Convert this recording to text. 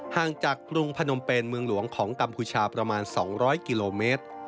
ห่างจากกรุงพนมเป็นเมืองหลวงของกัมพูชาประมาณ๒๐๐กิโลเมตร